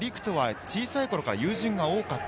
小さい頃から友人が多かった。